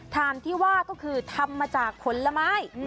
ฐานที่ว่าก็คือทำมาจากผลไม้